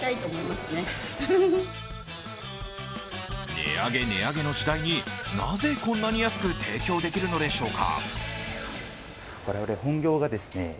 値上げ、値上げの時代に、なぜこんなに安く提供できるのでしょうか？